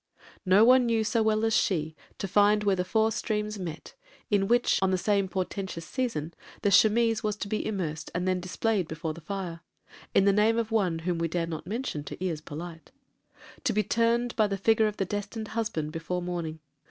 No one knew so well as she to find where the four streams met, in which, on the same portentous season, the chemise was to be immersed, and then displayed before the fire, (in the name of one whom we dare not mention to 'ears polite'), to be turned by the figure of the destined husband before morning.